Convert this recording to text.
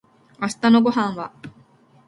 明日のご飯は